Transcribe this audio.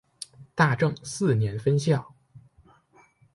大正四年分校。